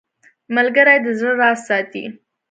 ملګری د زړه راز ساتي